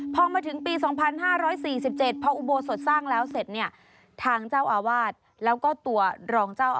พอมาถึงปี๒๕๔๗พออุโบสถสร้างแล้วเสร็จ